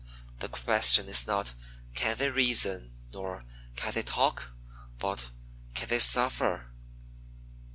The question is not, Can they reason? nor, Can they talk? but, Can they suffer?